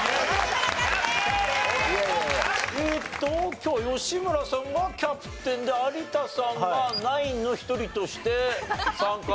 今日吉村さんがキャプテンで有田さんがナインの一人として参加。